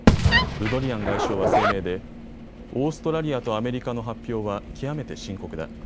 ルドリアン外相は声明で、オーストラリアとアメリカの発表は極めて深刻だ。